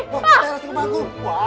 wah terasi rumahku